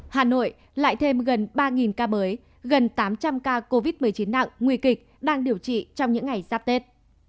hà nội lại thêm gần ba ca mới gần tám trăm linh ca covid một mươi chín nặng nguy kịch đang điều trị trong những ngày sắp tết